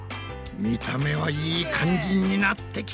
見た目はいい感じになってきたぞ。